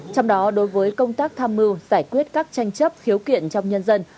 trong đó đối với công tác tham mưu giải quyết các tranh chấp khiếu kiện trong nhân dân